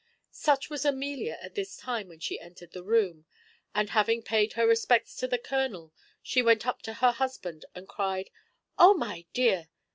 Such was Amelia at this time when she entered the room; and, having paid her respects to the colonel, she went up to her husband, and cried, "O, my dear!